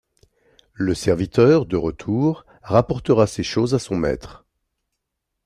Le serviteur, de retour, rapporta ces choses à son maître.